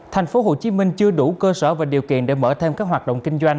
thành phố hồ chí minh chưa đủ cơ sở và điều kiện để mở thêm các hoạt động kinh doanh